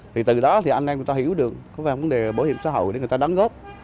thì từ đó thì anh em người ta hiểu được có phải là vấn đề bảo hiểm xã hội để người ta đáng góp